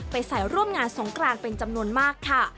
ใส่ร่วมงานสงกรานเป็นจำนวนมากค่ะ